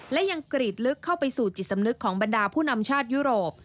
และยังกรีดลึกเข้าไปสู่จิตสำนึกของบรรดาผู้นำชาติยุโรป